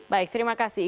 baik terima kasih